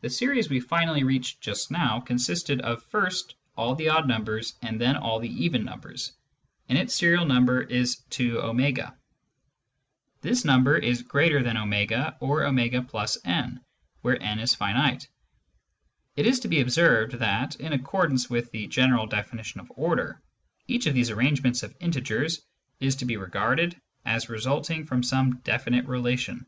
The series we finally reached just now consisted of first all the odd numbers and then all the even numbers, and its serial Infinite Series and Ordinals 91 number is zco. This number is greater than w or w+w, where n is finite. It is to be observed that, in accordance with the general definition of order, each of these arrangements of integers is to be regarded as resulting from some definite relation.